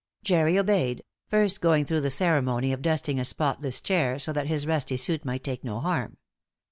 Jerry obeyed, first going through the ceremony of dusting a spotless chair so that his rusty suit might take no harm.